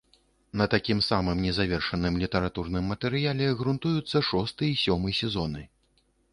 На такім самым незавершаным літаратурным матэрыяле грунтуюцца шосты і сёмы сезоны.